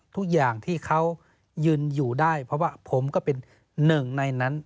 ทุกอย่างที่เขายืนอยู่ได้เพราะว่าผมก็เป็นหนึ่งในนั้น